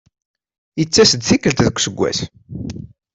Ittas-d tikkelt deg useggas.